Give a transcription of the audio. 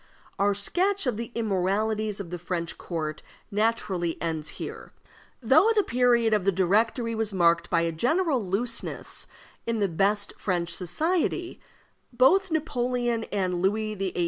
Our sketch of the immoralities of the French court naturally ends here. Though the period of the Directory was marked by a general looseness in the best French society, and both Napoleon and Louis XVIII.